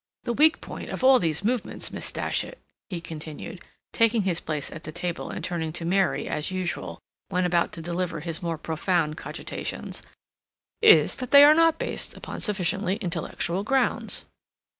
The weak point of all these movements, Miss Datchet," he continued, taking his place at the table and turning to Mary as usual when about to deliver his more profound cogitations, "is that they are not based upon sufficiently intellectual grounds.